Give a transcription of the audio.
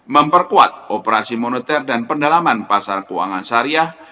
memperkuat operasi moneter dan pendalaman pasar keuangan syariah